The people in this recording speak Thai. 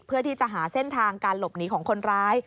เพื่อที่จะหาเส้นทางการหลบหนีของคนร้าย